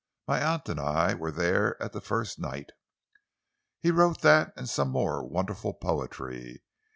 My aunt and I were there at the first night." "He wrote that and some more wonderful poetry.